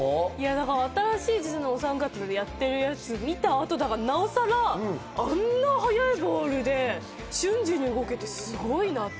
新しい地図のお三方とやってるやつを見た後だから、なおさら、あんな速いボールで瞬時に動けてすごいなって。